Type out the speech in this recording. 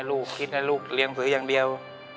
ลูกคิดนะลูกเลี้ยงผืออย่างเดียว